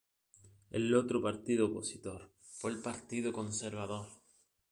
El otro partido opositor fue el Partido Conservador.